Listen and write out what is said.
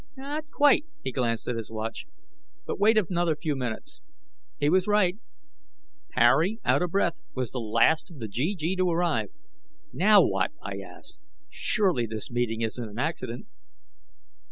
"Not quite," he glanced at his watch, "but wait another few minutes." He was right: Harry, out of breath, was the last of the GG to arrive. "Now what?" I asked. "Surely this meeting isn't an accident?"